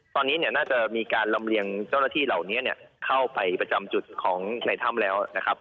ตอนนี้เนี่ยน่าจะมีการลำเลียงเจ้าหน้าที่เหล่านี้เข้าไปประจำจุดของในถ้ำแล้วนะครับ